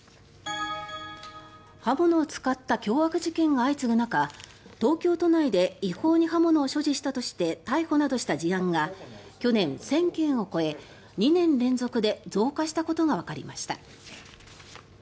刃物を使った凶悪事件が相次ぐ中東京都内で違法に刃物を所持したとして逮捕した事案が去年１０００件を超え２年連続で増加したことがわかりました。